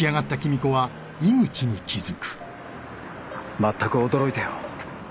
まったく驚いたよ。